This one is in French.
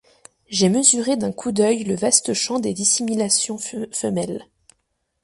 J’ai mesuré d’un coup d’œil le vaste champ des dissimulations femelles.